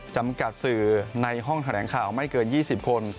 จำกัดสื่อในห้องแถลงข่าวไม่เกิน๒๐คน